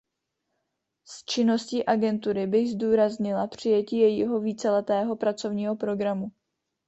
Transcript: Z činností agentury bych zdůraznila přijetí jejího víceletého pracovního programu.